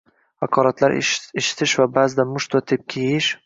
haqoratlar eshitish va ba’zida musht va tepki yeyish